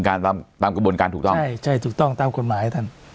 การตามที่บนการถูกต้องใช่ถูกต้องตามควรหมายท่านเจอแปดร้าย